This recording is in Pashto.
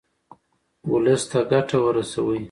ولس ته ګټه ورسوئ.